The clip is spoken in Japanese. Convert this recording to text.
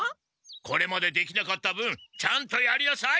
これまでできなかった分ちゃんとやりなさい！